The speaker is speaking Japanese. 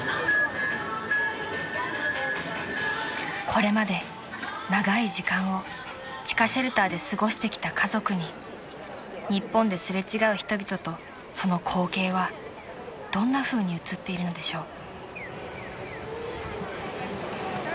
［これまで長い時間を地下シェルターで過ごしてきた家族に日本で擦れ違う人々とその光景はどんなふうに映っているのでしょう］